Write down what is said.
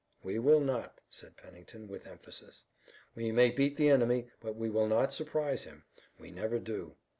"We will not," said Pennington with emphasis. "We may beat the enemy, but we will not surprise him. We never do.